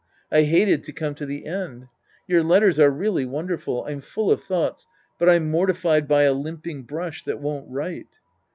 I hated to come to the end. Your letters are really wonderful. I'm full of thoughts, but I'm mortified by a limping brush that won't write.